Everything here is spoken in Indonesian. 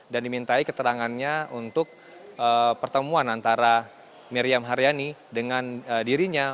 dan dimintai keterangannya untuk pertemuan antara miriam haryani dengan dirinya